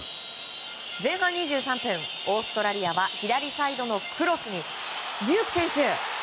前半２３分、オーストラリアは左サイドのクロスにデューク選手。